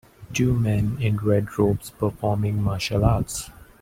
Two men in red robes performing martial arts.